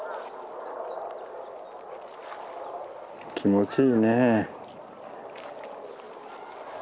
気持ちいいね。